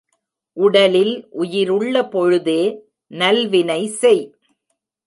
உடலில் உயிருள்ள பொழுதே நல்வினை செய்.